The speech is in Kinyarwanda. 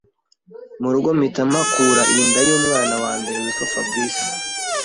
mu rugo mpita mpakura inda y’umwana wa mbere witwa Fabrice,